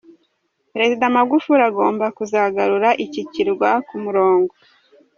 Perezida Magufuli agomba kuzagarura iki kirwa ku murongo.